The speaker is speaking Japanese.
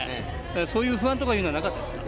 そういう不安とかはなかったですか？